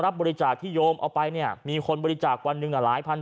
รับบริจาคที่โยมเอาไปเนี่ยมีคนบริจาควันหนึ่งหลายพัน